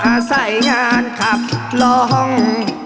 อาศัยงานขับลอง